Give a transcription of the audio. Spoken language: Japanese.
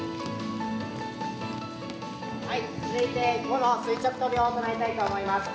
はい続いて午の垂直跳びを行いたいと思います。